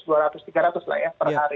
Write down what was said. jadi tapi bukan berarti kita tidak waspada